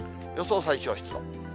予想最小湿度。